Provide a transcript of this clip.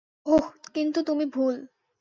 ওহ কিন্তু তুমি ভুল।